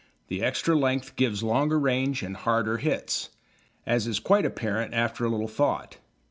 The extra length gives longer range and harder hits, as is quite apparent after a little thought.